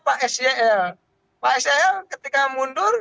pak sel ketika mundur